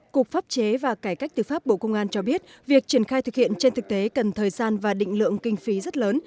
cục pháp chế và cải cách tư pháp bộ công an cho biết việc triển khai thực hiện trên thực tế cần thời gian và định lượng kinh phí rất lớn